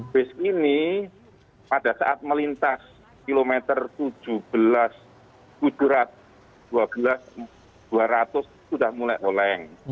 bus ini pada saat melintas kilometer tujuh belas tujuh ratus dua belas dua ratus sudah mulai oleng